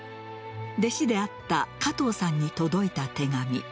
弟子であった加藤さんに届いた手紙。